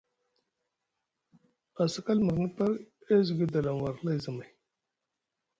Asakal mrini par e zugi dalam war hlay zamay.